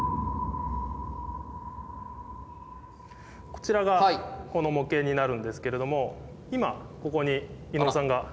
こちらがこの模型になるんですけれども今ここに伊野尾さんがいらっしゃいます。